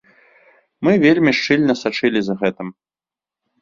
Мы вельмі шчыльна сачылі за гэтым.